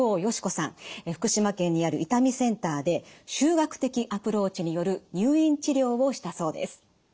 福島県にある痛みセンターで集学的アプローチによる入院治療をしたそうです。